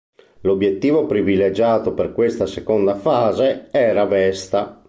L'obiettivo privilegiato per questa seconda fase era Vesta.